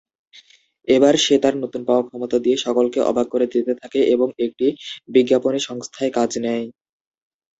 এবার সে তার নতুন পাওয়া ক্ষমতা দিয়ে সকলকে অবাক করে দিতে থাকে এবং একটি বিজ্ঞাপনী সংস্থায় কাজ নেয়।